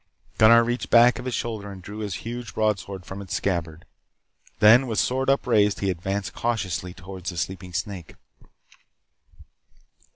Gunnar reached back of his shoulder and drew his huge broadsword from its scabbard. Then, with sword upraised, he advanced cautiously toward the sleeping snake.